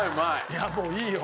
いやもういいよ。